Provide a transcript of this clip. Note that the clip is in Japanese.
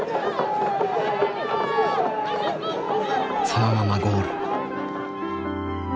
そのままゴール。